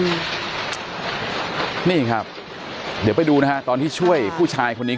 แล้วน้ำซัดมาอีกละรอกนึงนะฮะจนในจุดหลังคาที่เขาไปเกาะอยู่เนี่ย